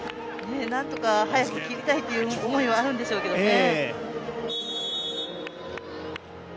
なんとか早く切りたい思いはあるんでしょうけどね。